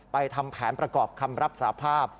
ทำแผนประกอบคำรับสาภาพ